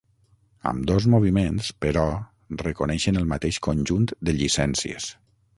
Ambdós moviments, però, reconeixen el mateix conjunt de llicències.